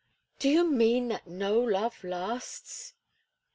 "Do you mean that no love lasts?"